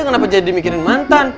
kenapa jadi mikirin mantan